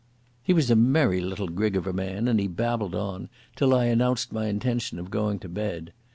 He was a merry little grig of a man, and he babbled on, till I announced my intention of going to bed.